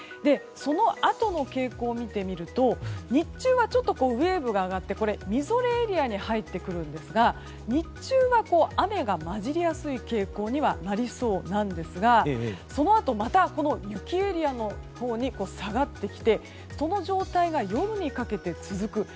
そのあとの傾向を見てみると日中はちょっとウェーブが上がってみぞれエリアに入ってくるんですが、日中は雨が交じりやすい傾向にはなりそうなんですがそのあと、また雪エリアのほうに下がってきてその状態が夜にかけて続く。